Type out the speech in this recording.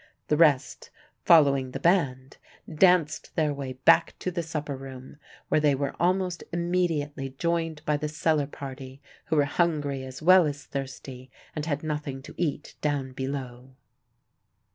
The rest, following the band, danced their way back to the supper room, where they were almost immediately joined by the cellar party, who were hungry as well as thirsty, and had nothing to eat down below.